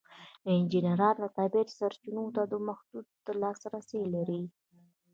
انجینران د طبیعت سرچینو ته محدود لاسرسی لري.